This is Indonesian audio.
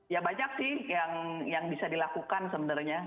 ya banyak sih yang bisa dilakukan sebenarnya